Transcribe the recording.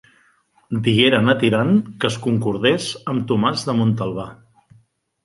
Digueren a Tirant que es concordés amb Tomàs de Muntalbà.